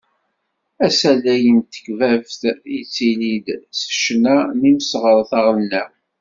Asalay n tekbabt yettili-d s ccna n yimseɣret aɣelnaw.